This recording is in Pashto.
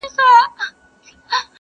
او پر خره باندي یې پیل کړل ګوزارونه،